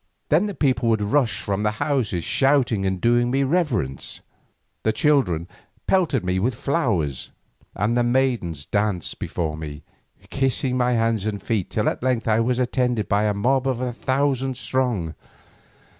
Then the people would rush from their houses shouting and doing me reverence, the children pelted me with flowers, and the maidens danced before me, kissing my hands and feet, till at length I was attended by a mob a thousand strong.